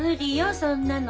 そんなの。